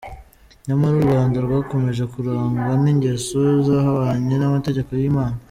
Nyamara u Rwanda rwakomeje kurangwa n’ingeso zihabanye n’amategeko y’Imana.